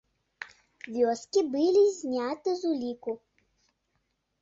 Вёскі былі знята з уліку.